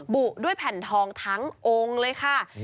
บุด้วยแผ่นทองทั้งองค์เลยค่ะ